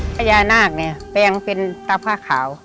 พญานาคเนี่ยแปลงเป็นตาผ้าขาว